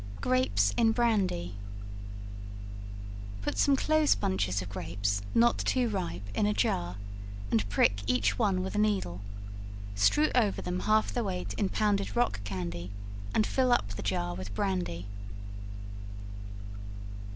Grapes in Brandy. Put some close bunches of grapes, not too ripe, in a jar, and prick each one with a needle, strew over them half their weight in pounded rock candy, and fill up the jar with brandy.